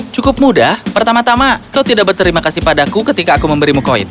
cukup mudah pertama tama kau tidak berterima kasih padaku ketika aku memberimu koin